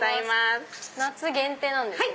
夏限定なんですね。